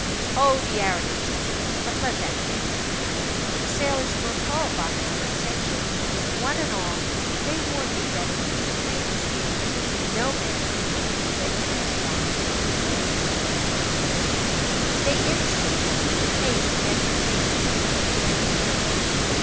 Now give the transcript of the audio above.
Oh, the arrogance of youth! But let that pass. The sailors were appalled by my intention. One and all, they warned me that in the history of the sea no man had taken a dead man's bunk and lived to the end of the voyage. They instanced case after case in their personal experience.